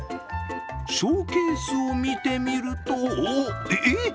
ショーケースを見てみると、え？